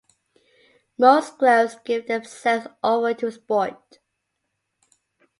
Most clubs give themselves over to sport.